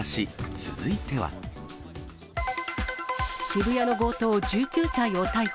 渋谷の強盗、１９歳を逮捕。